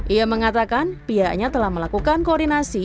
ia mengatakan pihaknya telah melakukan koordinasi